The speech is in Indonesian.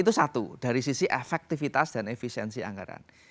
itu satu dari sisi efektivitas dan efisiensi anggaran